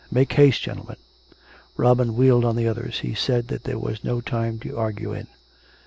Make haste, gentlemen." Robin wheeled on the others. He said that there was no time to argue in.